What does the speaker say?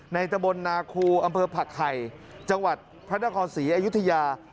ตะบลนาคูอำเภอผักไห่จังหวัดพระนครศรีอยุธยา